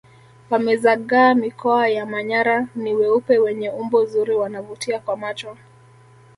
Wamezagaa mikoa ya manyara ni weupe wenye umbo zuri wanavutia kwa macho